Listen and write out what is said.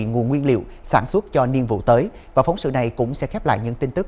nguồn nguyên liệu sản xuất cho niên vụ tới và phóng sự này cũng sẽ khép lại những tin tức